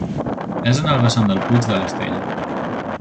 És en el vessant del Puig de l'Estella.